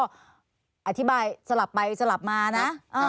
ก็อธิบายสลับไปสลับมานะ